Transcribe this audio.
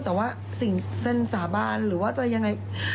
แต่ว่าฉันสาบานหรือว่าจะยังไง